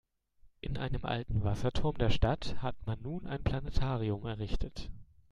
In einem alten Wasserturm der Stadt hat man nun ein Planetarium errichtet.